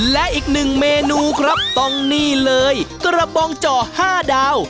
และอีกหนึ่งเมนูครับต้องนี่เลยกระบองจ่อ๕ดาว